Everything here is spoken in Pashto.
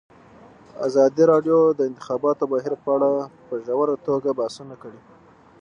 ازادي راډیو د د انتخاباتو بهیر په اړه په ژوره توګه بحثونه کړي.